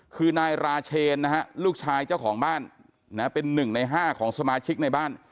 คือนายราเชนนะฮะลูกชายเจ้าของบ้านเป็น๑ใน๕ของสมาชิกในบ้าน